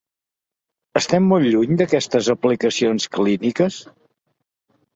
Estem molt lluny d’aquestes aplicacions clíniques?